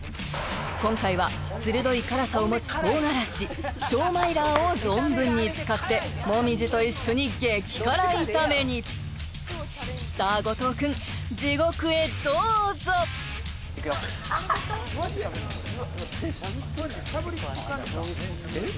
今回は鋭い辛さを持つ唐辛子小米辣を存分に使ってもみじと一緒に激辛炒めにさあ後藤君地獄へどうぞいくよえっ？